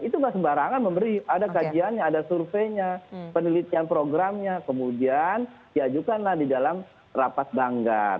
itu gak sembarangan memberi ada kajiannya ada surveinya penelitian programnya kemudian diajukanlah di dalam rapat banggar